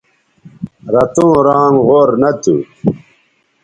رتوں رانگ غور نہ تھو